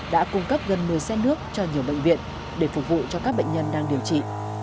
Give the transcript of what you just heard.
đã cung cấp gần một mươi xe nước cho nhiều bệnh viện để phục vụ cho các bệnh nhân đang điều trị